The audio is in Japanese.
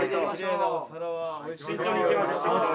慎重にいきましょう慎重に。